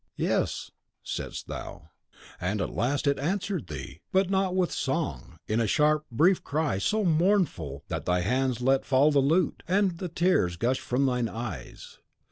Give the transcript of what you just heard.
"'Yes,' saidst thou. 'And at last it answered thee, but not with song, in a sharp, brief cry; so mournful, that thy hands let fall the lute, and the tears gushed from thine eyes.